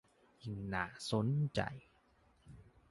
ยิ่งน่าสนใจ